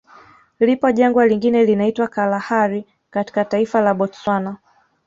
Lipo Jangwa lingine linaitwa Kalahari katika taifa la Botswana